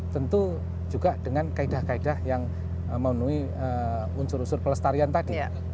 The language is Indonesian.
tentu juga dengan kaedah kaedah yang memenuhi unsur unsur pelestarian tadi